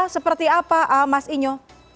seperti apa mas inyo